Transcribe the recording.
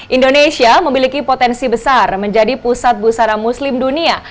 indonesia memiliki potensi besar menjadi pusat busana muslim dunia